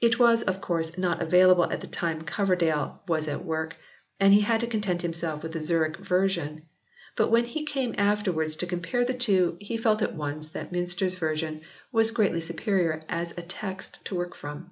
It was, of course, not available at the time Coverdale was at work and he had to content himself with the Zurich version, but when he came afterwards to compare the two he felt at once that Miinster s version was greatly superior as a text to work from.